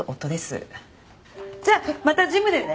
じゃあまたジムでね。